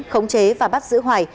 khống chế và bắt giữ hoài